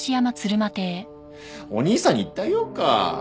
お兄さんに言ってあげようか？